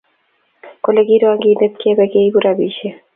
kole kirwngindet kebe kiibu rabisiek